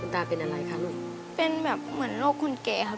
ตาเป็นอะไรคะลูกเป็นแบบเหมือนโรคคนแก่ครับ